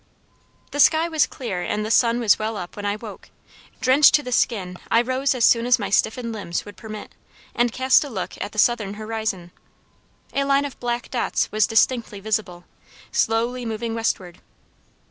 "The sky was clear and the sun was well up when I woke: drenched to the skin I rose as soon as my stiffened limbs would permit, and cast a look at the southern horizon. A line of black dots was distinctly visible, slowly moving westward.